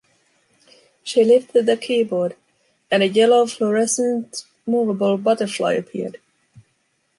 She lifted the keyboard, and a yellow fluorescent moveable butterfly appeared.